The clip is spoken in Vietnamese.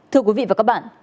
thưa quý vị và các bạn